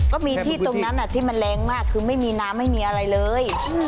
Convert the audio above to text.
ก็มีที่ตรงนั้นที่มันแรงมากคือไม่มีน้ำไม่มีอะไรเลย